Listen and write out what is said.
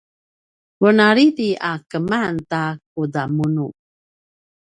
venalid a keman ta kudamunu